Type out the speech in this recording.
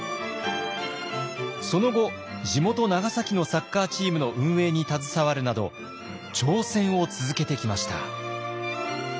その後地元・長崎のサッカーチームの運営に携わるなど挑戦を続けてきました。